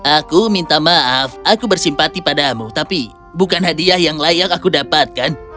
aku minta maaf aku bersimpati padamu tapi bukan hadiah yang layak aku dapatkan